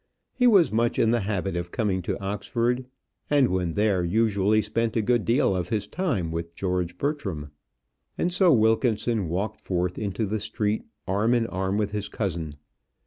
He was much in the habit of coming to Oxford, and when there usually spent a good deal of his time with George Bertram. And so Wilkinson walked forth into the street arm and arm with his cousin.